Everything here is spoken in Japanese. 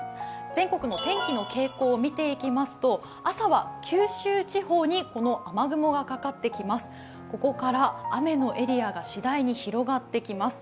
全国の天気の傾向を見ていきますと朝は九州地方にこの雨雲がかかってきます。